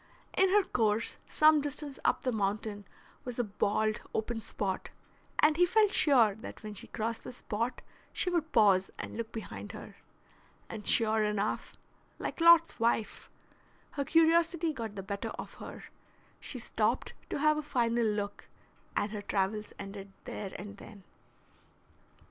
In her course some distance up the mountain was a bald, open spot, and he felt sure when she crossed this spot she would pause and look behind her; and sure enough, like Lot's wife, her curiosity got the better of her; she stopped to have a final look, and her travels ended there and then.